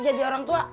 jadi orang tua